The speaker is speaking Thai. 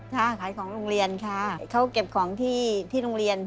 ถ้าขายของโรงเรียนค่ะเขาเก็บของที่โรงเรียน